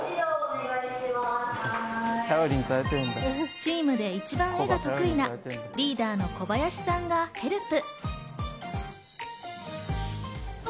チームで一番絵が得意なリーダーの小林さんがヘルプ。